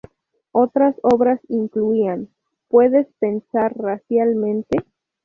Otras obras incluían ""¿Puedes pensar racialmente?